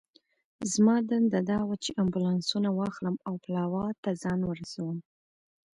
زما دنده دا وه چې امبولانسونه واخلم او پلاوا ته ځان ورسوم.